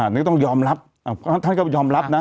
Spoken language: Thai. นึกต้องยอมรับเพราะท่านก็ยอมรับนะ